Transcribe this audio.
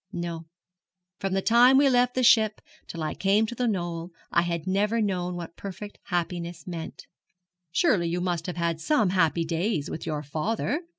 No; from the time we left the ship till I came to The Knoll I had never known what perfect happiness meant.' 'Surely you must have had some happy days with your father?'